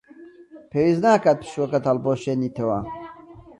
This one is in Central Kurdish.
پێویست ناکات پشووەکەت هەڵبوەشێنیتەوە.